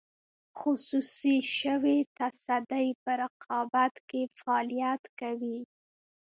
خصوصي شوې تصدۍ په رقابت کې فعالیت کوي.